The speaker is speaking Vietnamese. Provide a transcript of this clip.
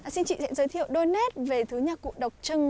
xin chị giới thiệu đôi nét về thứ nhà cụ độc trưng